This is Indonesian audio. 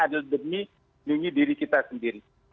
adalah demi melindungi diri kita sendiri